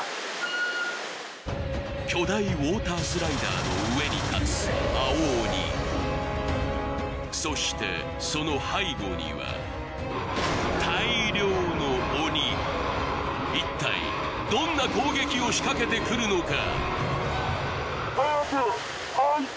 巨大ウォータースライダーの上に立つそしてその背後には一体どんな攻撃を仕掛けてくるのか